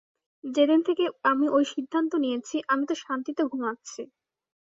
যেদিন থেকে আমি ওই সিদ্ধান্ত নিয়েছি, আমি তো শান্তিতে ঘুমাচ্ছি।